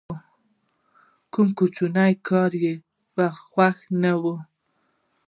که کوم کوچنی کارګر یې په خوښه نه وي